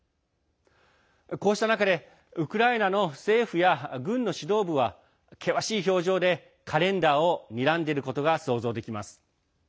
こうした中でウクライナの政府や軍の指導部は険しい表情でカレンダーをにらんでいることが想像できます。